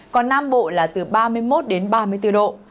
còn nam bộ là từ ba mươi một đến ba mươi bốn độ